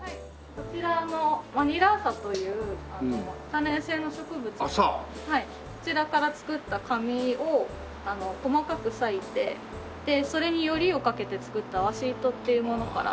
こちらマニラアサという多年生の植物でこちらから作った紙を細かく裂いてそれによりをかけて作った和紙糸っていうものから。